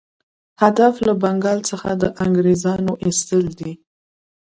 هدف له بنګال څخه د انګرېزانو ایستل دي.